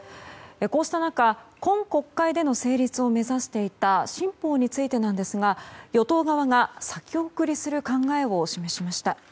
こうした中今国会での成立を目指していた新法についてなんですが与党側が、先送りする考えを示しました。